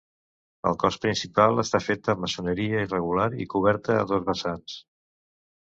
El cos principal està fet amb maçoneria irregular i coberta a dos vessants.